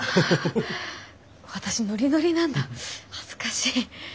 あ私ノリノリなんだ恥ずかしい。